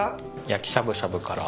焼きしゃぶしゃぶから。